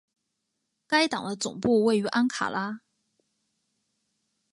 该党的总部位于安卡拉。